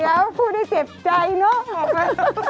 เดี๋ยวพูดก็เจ็บใจเนอะ